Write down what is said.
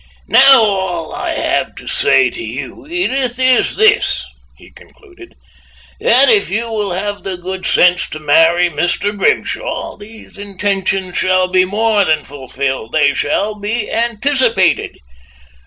"Now all I have to say to you, Edith, is this," he concluded, "that if you will have the good sense to marry Mr. Grimshaw, these intentions shall be more than fulfilled they shall be anticipated.